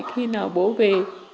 khi nào bố về